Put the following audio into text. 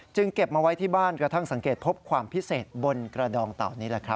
เก็บมาไว้ที่บ้านกระทั่งสังเกตพบความพิเศษบนกระดองเต่านี้แหละครับ